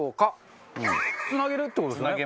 つなげるって事ですよね？